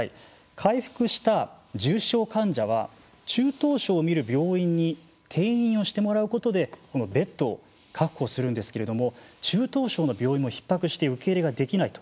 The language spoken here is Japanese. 回復した重症患者は中等症を診る病院に転院をしてもらうことでこのベッドを確保するんですけれども中等症の病院もひっ迫して受け入れができないと。